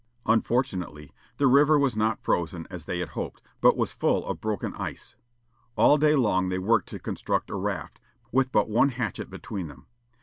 Unfortunately, the river was not frozen as they had hoped, but was full of broken ice. All day long they worked to construct a raft, with but one hatchet between them.